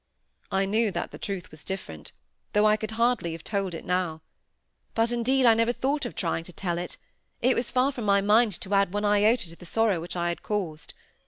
I knew that the truth was different, though I could hardly have told it now; but, indeed, I never thought of trying to tell; it was far from my mind to add one iota to the sorrow which I had caused.